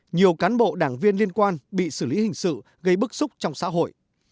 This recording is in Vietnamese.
nhiều cán bộ đảng viên liên quan bị xử lý hình sự gây bức xúc trong xã hội